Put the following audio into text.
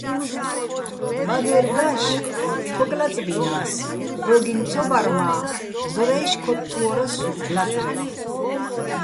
ბადერ დაშ ქოკ ლაწბინა́ს, ბჵოგინო̆ ცო ბარ მა́ ზორა́ჲში̆ ქოთთვო́რასო̆ ლაწრევ.